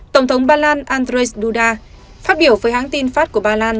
tổng thống ba lan andrzej duda phát biểu với hãng tin phát của ba lan